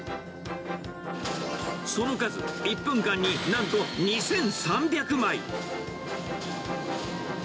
その数、１分間になんと２３００枚。